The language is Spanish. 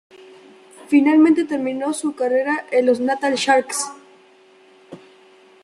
Finalmente terminó su carrera en los Natal Sharks.